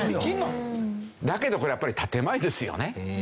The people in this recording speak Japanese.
だけどこれやっぱり建前ですよね。